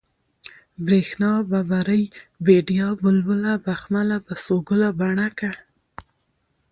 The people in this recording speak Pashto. برېښنا ، ببرۍ ، بېديا ، بلبله ، بخمله ، بسوگله ، بڼکه